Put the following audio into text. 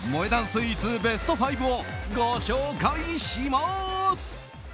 スイーツベスト５をご紹介します！